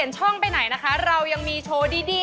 สวัสดีครับสวัสดีครับ